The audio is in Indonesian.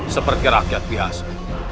seperti rakyat biasa